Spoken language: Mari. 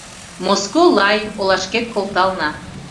Моско-лай олашкет колтална.